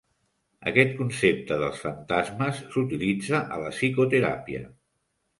Aquest concepte dels fantasmes s'utilitza a la psicoteràpia.